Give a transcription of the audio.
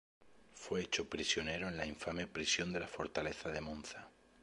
Fue hecho prisionero en la infame prisión de la fortaleza de Monza.